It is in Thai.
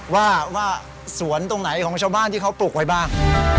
ว่าสวนตรงไหนของชาวบ้านที่เขาปลูกไว้บ้าง